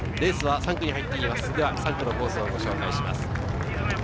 ３区のコースをご紹介します。